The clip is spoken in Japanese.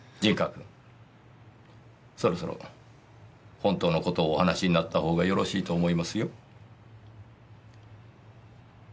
君そろそろ本当の事をお話しになったほうがよろしいと思いますよ。